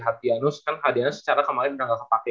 hartianus kan hartianus secara kemarin udah gak kepake